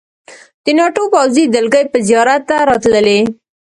د ناټو پوځي دلګۍ به زیارت ته راتللې.